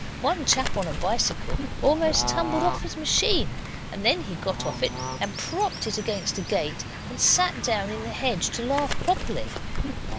One chap on a bicycle almost tumbled off his machine, and then he got off it and propped it against a gate and sat down in the hedge to laugh properly.